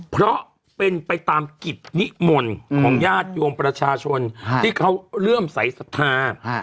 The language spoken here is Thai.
เพราะเป็นไปตามกิจนิมนต์ของญาติโยมประชาชนที่เขาเลื่อมใสสัทธา